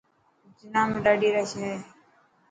جناح ۾ڏاڌي رش هي.ڍ